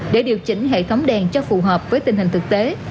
để điều chỉnh hệ thống đèn cho phù hợp với tình hình thực tế